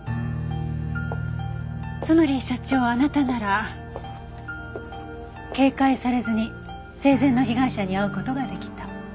つまり社長あなたなら警戒されずに生前の被害者に会う事ができた。